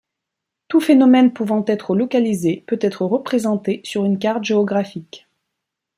Tout phénomène pouvant être localisé peut être représenté sur une carte géographique.